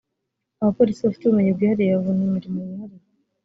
abapolisi bafite ubumenyi bwihariye babona imirimo yihariye